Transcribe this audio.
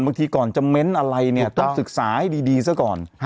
บางทีก่อนจะเม้นอะไรต้องศึกษาให้ดีซะก่อน